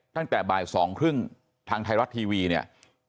ตั้งแต่บ่ายสองครึ่งทางไทยรัฐทีวีเนี่ย